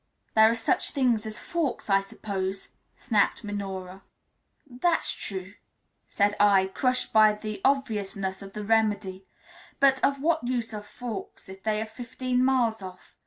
"There are such things as forks, I suppose," snapped Minora. "That's true," said I, crushed by the obviousness of the remedy; but of what use are forks if they are fifteen miles off?